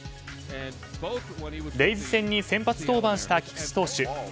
レイズ戦に先発登板した菊池投手。